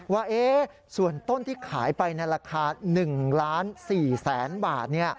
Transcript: ว่าเอ๊ส่วนต้นที่ขายไปในราคา๑๔๐๐๐๐๐บาท